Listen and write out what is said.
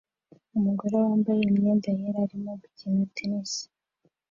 Umugore wambaye imyenda yera arimo gukina tennis